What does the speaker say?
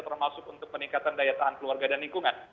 termasuk untuk peningkatan daya tahan keluarga dan lingkungan